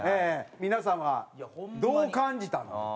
皆さんはどう感じたの？